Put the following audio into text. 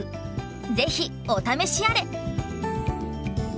ぜひお試しあれ！